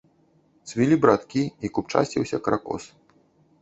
Цвілі браткі, і купчасціўся кракос.